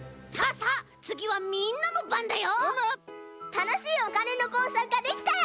たのしいおかねのこうさくができたら。